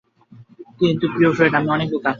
কিন্তু প্রিয় ফ্রেড, আমি অনেক বোকা।